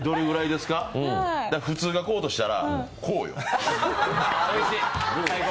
普通がこうとしたら、こうよ！